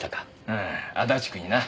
うん足立区にな。